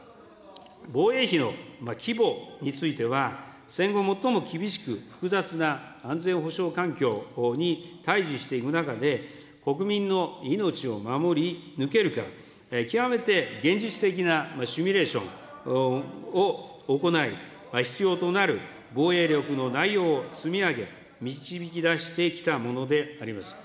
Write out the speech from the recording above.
防衛費の規模については、戦後最も厳しく、複雑な安全保障環境に対じしていく中で、国民の命を守り抜けるか、極めて現実的なシミュレーションを行い、必要となる防衛力の内容を積み上げ、導き出してきたものであります。